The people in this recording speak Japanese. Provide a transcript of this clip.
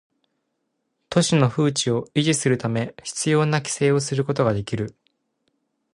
都市の風致を維持するため必要な規制をすることができる